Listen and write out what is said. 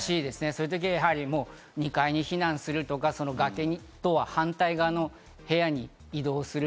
そういう時は２階に避難するとか、反対側の部屋に移動する。